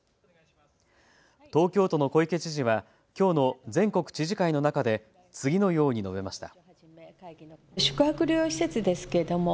東京都の小池知事はきょうの全国知事会の中で次のように述べました。